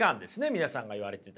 皆さんが言われてた。